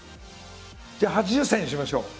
じゃあ８０歳にしましょう。